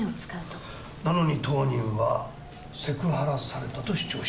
なのに当人はセクハラされたと主張している。